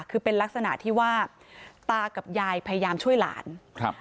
คือเป็นลักษณะที่ว่าตากับยายพยายามช่วยหลานครับ